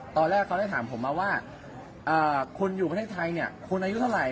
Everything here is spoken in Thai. ตอนแรกเขาได้ถามผมมาว่าคุณอยู่ประเทศไทยเนี่ยคุณอายุเท่าไหร่